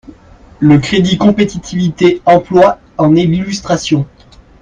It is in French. Le crédit compétitivité emploi en est l’illustration.